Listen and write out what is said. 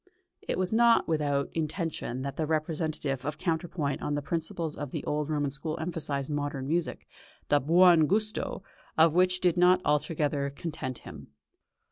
It was not without intention that the representative of counterpoint on the principles of the old Roman school emphasised modern music, the "buon gusto" of which did not altogether content him.